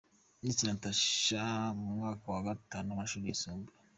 Miss Natacha : Ni mu mwaka wa Gatanu w’amashuri yisumbuye.